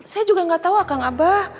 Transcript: saya juga nggak tahu akan abah